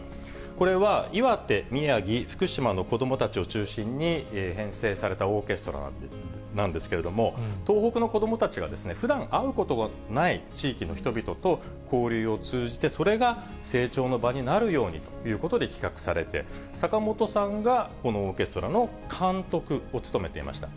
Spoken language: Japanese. これは岩手、宮城、福島の子どもたちを中心に編成されたオーケストラなんですけれども、東北の子どもたちがふだん会うことがない地域の人々と交流を通じて、それが成長の場になるようにということで企画されて、坂本さんがこのオーケストラの監督を務めていました。